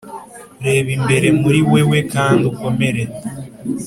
reba imbere muri wewe kandi ukomere